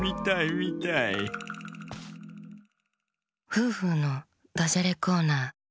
「フーフーのダジャレコーナー」。